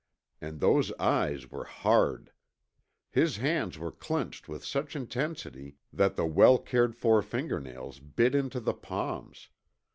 And those eyes were hard. His hands were clenched with such intensity that the well cared for fingernails bit into the palms